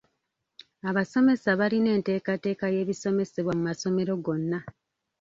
Abasomesa balina enteekateeka y’ebisomesebwa mu masomero gonna.